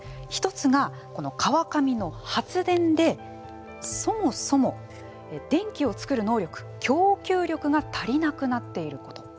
１つが、この川上の発電でそもそも電気をつくる能力供給力が足りなくなっていること。